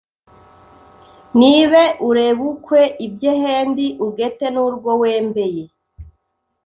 Nibe urebukwe iby’ehendi Ugete n’urwo wembeye,